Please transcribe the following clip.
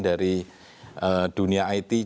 dari dunia it